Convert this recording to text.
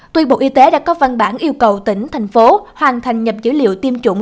tuy bộ y tế đã có văn bản yêu cầu tỉnh thành phố hoàn thành nhập dữ liệu tiêm chủng